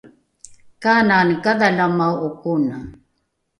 kanani kadhalamae’o kone